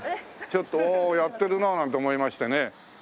ちょっとおおやってるななんて思いましてね。